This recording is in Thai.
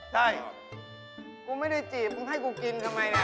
กูไม่ได้จีบให้ผมกินอย่าแบบนี้